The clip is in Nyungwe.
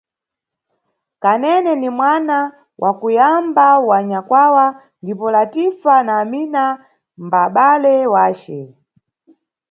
Kanene ni mwana wa kuyamba wa nyakwawa ndipo Latifa na Amina mbabale wace.